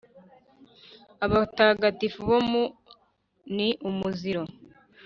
abatagatifu bo ni umuziro